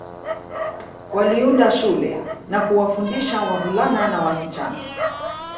Waliunda shule na kuwafundisha wavulana na wasichana